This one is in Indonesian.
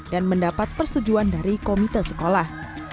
dan mendapat persetujuan dari komite sekolah